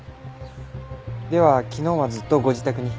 では昨日はずっとご自宅に？